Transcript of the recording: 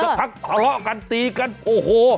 จะพักภาวะกันตีกันโอ้โห